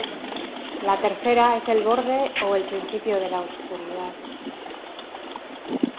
La tercera es el borde o el principio de la oscuridad.